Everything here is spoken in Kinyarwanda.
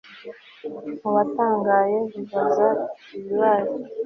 mubatangaye bibaza ibibaye